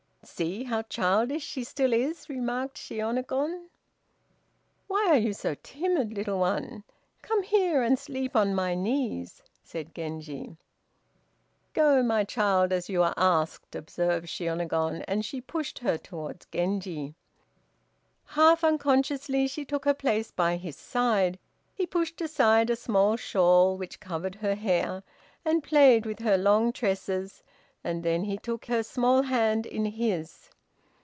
"See how childish she still is," remarked Shiônagon. "Why are you so timid, little one, come here and sleep on my knees," said Genji. "Go, my child, as you are asked," observed Shiônagon, and she pushed her towards Genji. Half unconsciously she took her place by his side. He pushed aside a small shawl which covered her hair, and played with her long tresses, and then he took her small hand in his.